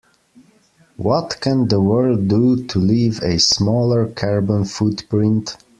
What can the world do to leave a smaller carbon footprint?